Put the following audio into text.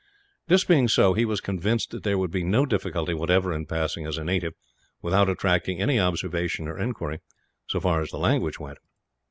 This being so, he was convinced that there would be no difficulty, whatever, in passing as a native, without attracting any observation or inquiry, so far as the language went.